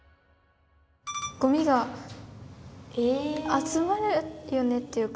ごみが集まるよねっていうか。